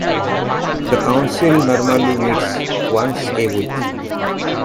The Council normally meets once a week.